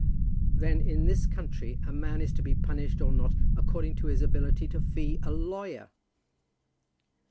"Then in this country a man is to be punished or not, according to his ability to fee a lawyer!"